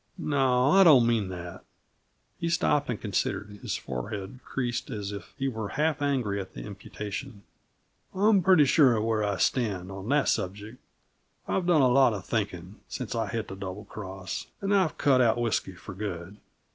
"No, I don't mean that." He stopped and considered, his forehead creased as if he were half angry at the imputation. "I'm pretty sure of where I stand, on that subject. I've done a lot of thinking, since I hit the Double Cross and I've cut out whisky for good.